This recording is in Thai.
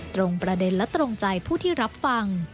ตรงประเด็นและตรงใจผู้ที่รับฟัง